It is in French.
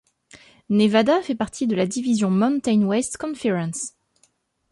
Nevada fait partie de la division Mountain West Conference.